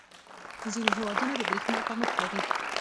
• ځینې هېوادونه د برېښنا کمښت لري.